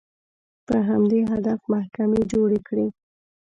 په همدې هدف محکمې جوړې کړې